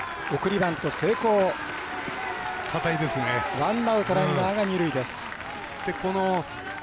ワンアウトランナーが二塁ですね。